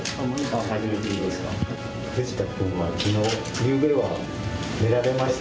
藤田君は昨日ゆうべは寝られました？